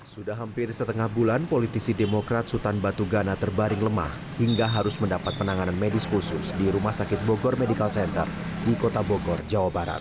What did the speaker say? sudah hampir setengah bulan politisi demokrat sultan batu gana terbaring lemah hingga harus mendapat penanganan medis khusus di rumah sakit bogor medical center di kota bogor jawa barat